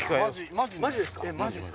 マジですか？